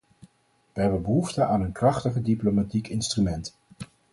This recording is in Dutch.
We hebben behoefte aan een krachtiger diplomatiek instrument.